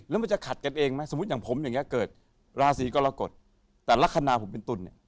แล้วมันจะขัดกันเองไหมสมมุติอย่างผมอย่างนี้เกิดราศีกรกฎแต่ลักษณะผมเป็นตุลเนี่ย